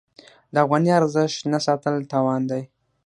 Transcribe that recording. د افغانۍ ارزښت نه ساتل تاوان دی.